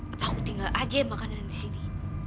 apa aku tinggal aja ya makanan yang disini